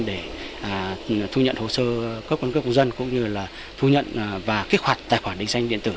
để thu nhận hồ sơ cấp cân cấp công dân cũng như là thu nhận và kích hoạt tài khoản định danh địa tử